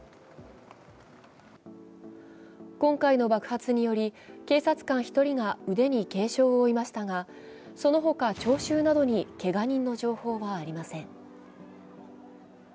今回の爆発により警察官１人が腕に軽傷を負いましたがその他聴衆などに、けが人の情報はありません。